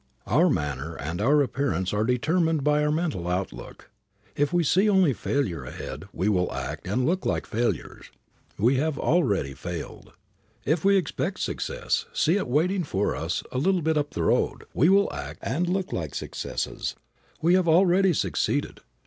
Our manner and our appearance are determined by our mental outlook. If we see only failure ahead we will act and look like failures. We have already failed. If we expect success, see it waiting for us a little bit up the road, we will act and look like successes. We have already succeeded.